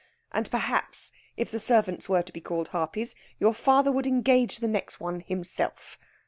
And perhaps, if the servants were to be called Harpies, your father would engage the next one himself.